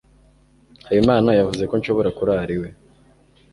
habimana yavuze ko nshobora kurara iwe